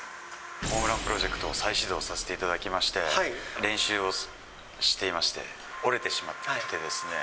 ホームランプロジェクトを再始動させていただきまして、練習をしていまして、折れてしまってです